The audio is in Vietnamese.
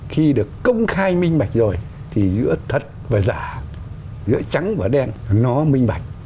khi được công khai minh bạch rồi thì giữa thật và giả giữa trắng và đen nó minh bạch